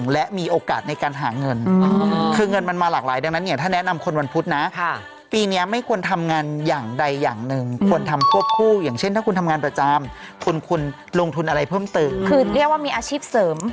ลงทุนอะไรเพิ่มเติมคือเรียกว่ามีอาชีพเสริม